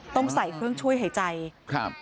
ต้องใส่เครื่องช่วยหายใจครับ